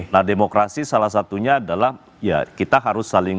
nah demokrasi salah satunya adalah ya kita harus saling